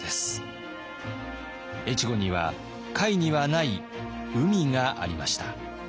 越後には甲斐にはない海がありました。